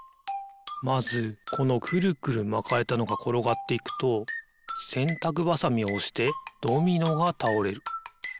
まずこのくるくるまかれたのがころがっていくとせんたくばさみをおしてドミノがたおれる。